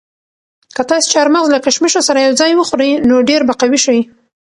که تاسي چهارمغز له کشمشو سره یو ځای وخورئ نو ډېر به قوي شئ.